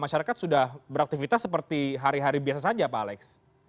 masyarakat sudah beraktivitas seperti hari hari biasa saja pak alex